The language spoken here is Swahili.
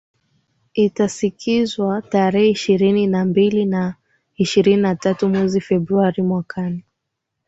itasikizwa tarehe ishirini na mbili na ishirini na tatu mwezi februari mwakani